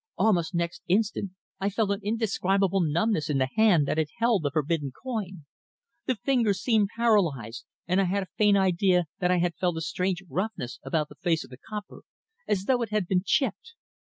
Almost next instant I felt an indescribable numbness in the hand that had held the forbidden coin. The fingers seemed paralysed, and I had a faint idea that I had felt a strange roughness about the face of the copper, as though it had been chipped.